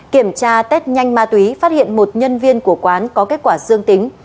kiểm tra test nhanh ma túy phát hiện một nhân viên của quán có kết quả dương tính